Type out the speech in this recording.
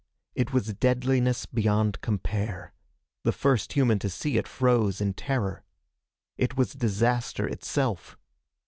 It was deadliness beyond compare. The first human to see it froze in terror. It was disaster itself.